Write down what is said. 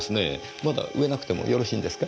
まだ植えなくてもよろしいんですか？